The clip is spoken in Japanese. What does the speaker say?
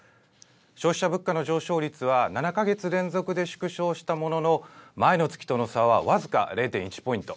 消費者物価の上昇率は７か月連続で縮小したものの、前の月との差は僅か０．１ポイント。